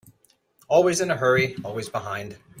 Always in a hurry, always behind.